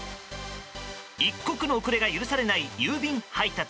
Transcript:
一刻の遅れが許されない郵便配達。